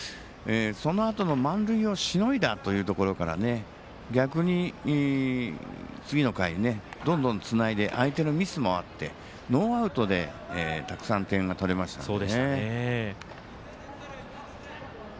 そのあとの満塁をしのいだというところから逆に次の回、どんどんつないで相手のミスもあってノーアウトでたくさん点を取れましたからね。